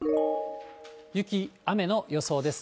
雪、雨の予想ですが。